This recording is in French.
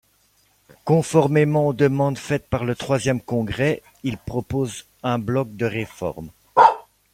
Conformément aux demandes faites par le troisième congrès, il propose un bloc de réformes.